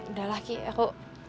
udah lah ki aku